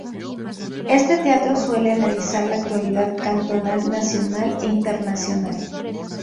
Este "teatro" suele analizar la actualidad cantonal, nacional e internacional.